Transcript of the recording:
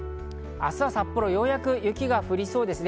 明日は札幌、ようやく雪が降りそうですね。